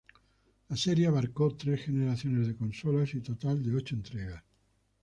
La serie abarcó tres generaciones de consolas y total de ocho entregas.